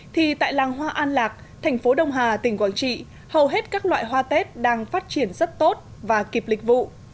thì tại làng hoa an lạc thành phố đông hà tỉnh quảng trị hầu hết các loại hoa tết đang phát triển rất tốt và kịp lịch vụ